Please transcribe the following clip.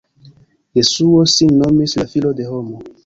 Jesuo sin nomis la "filo de homo".